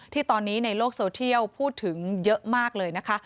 ที่ตอนนี้ในโลกโซเทียลพูดถึงเยอะมากเลยนะคะ